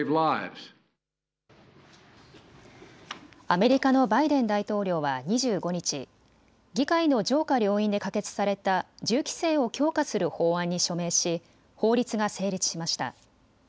アメリカのバイデン大統領は２５日、議会の上下両院で可決された銃規制を強化する法案に署名し法律が成立しました。